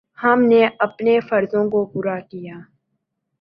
ہم نے اپنے فرضوں کو پورا کیا۔